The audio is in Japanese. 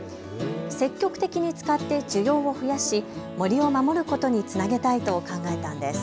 積極的に使って需要を増やし森を守ることにつなげたいと考えたんです。